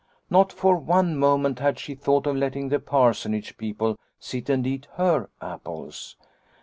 Not for one moment had she thought of letting the Parsonage people sit and eat her apples.